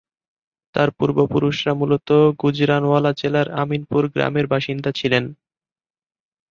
তাঁর পূর্বপুরুষরা মূলত গুজরানওয়ালা জেলার আমিনপুর গ্রামের বাসিন্দা ছিলেন।